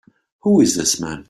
Who is this man?